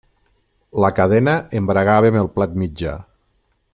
La cadena embragava amb el plat mitjà.